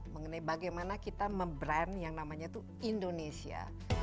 mengenai bagaimana kita membrand yang namanya itu indonesia